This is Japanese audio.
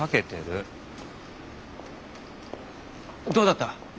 どうだった？